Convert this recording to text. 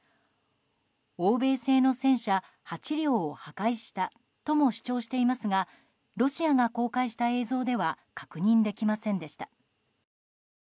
欧米製の戦車８両を破壊したとも主張していますがロシアが公開した映像では確認できませんでした。